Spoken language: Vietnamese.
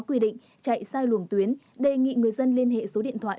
quy định chạy sai luồng tuyến đề nghị người dân liên hệ số điện thoại